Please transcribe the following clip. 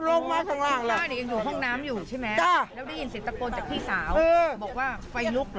บอกว่าไฟลุกละ